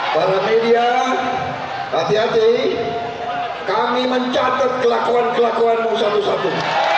para media hati hati kami mencatat kelakuan kelakuanmu satu satu